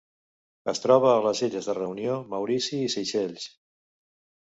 Es troba a les illes de Reunió, Maurici i Seychelles.